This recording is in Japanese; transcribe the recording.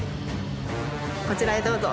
こちらへどうぞ。